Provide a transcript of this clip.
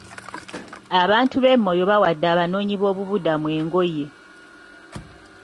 Abantu b'e Moyo bawadde abanoonyi boobubudamu engoye.